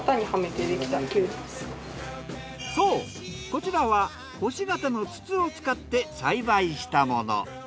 そうこちらは星形の筒を使って栽培したもの。